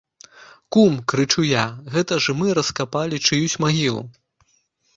Кум, крычу я, гэта ж мы раскапалі чыюсь магілу.